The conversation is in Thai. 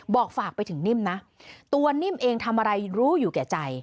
ฝากไปถึงนิ่มนะตัวนิ่มเองทำอะไรรู้อยู่แก่ใจ